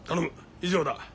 以上だ。